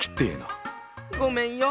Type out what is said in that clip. ごめんよ